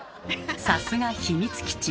さすが秘密基地。